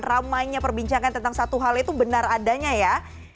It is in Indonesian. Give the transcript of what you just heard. ramainya perbincangan tentang satu hal itu benar adanya ya